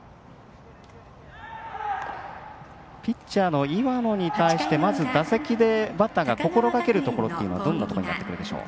ピッチャーの岩野に対してまず打席でバッターが心がけるところはどんなところになってくるでしょう。